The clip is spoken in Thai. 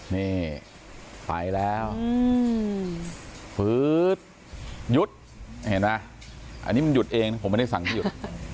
นี่ไปแล้วฟื๊ดหยุดเห็นไหมอันนี้มันหยุดเองนะผมไม่ได้สั่งให้หยุด